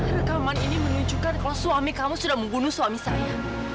rekaman ini menunjukkan kalau suami kamu sudah membunuh suami saya